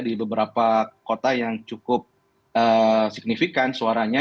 di beberapa kota yang cukup signifikan suaranya